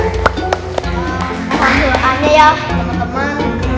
silahkan ya teman teman